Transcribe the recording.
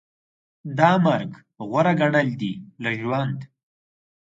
دا مرګ غوره ګڼل دي له ژوند